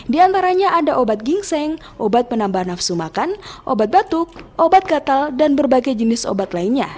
di antaranya ada obat gingseng obat penambah nafsu makan obat batuk obat gatal dan berbagai jenis obat lainnya